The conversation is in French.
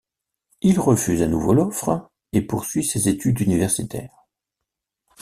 Il refuse à nouveau l'offre et poursuit ses études universitaires.